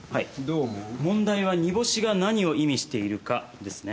問題は「煮干し」が何を意味しているかですね。